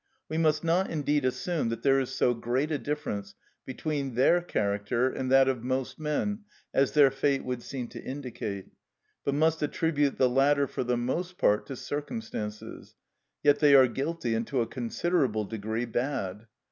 We must not indeed assume that there is so great a difference between their character and that of most men as their fate would seem to indicate, but must attribute the latter for the most part to circumstances; yet they are guilty and to a considerable degree bad.